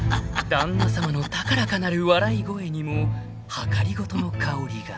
［旦那さまの高らかなる笑い声にもはかりごとの薫りが。